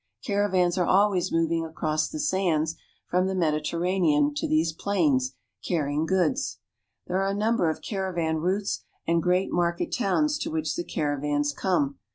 Caravans are always moving across the sands from the Mediter ranean to these plains, carrying goods. There are a num ber of caravan routes, and great market towns to which the caravans come.